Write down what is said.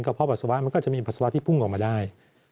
เพาะปัสสาวะมันก็จะมีปัสสาวะที่พุ่งออกมาได้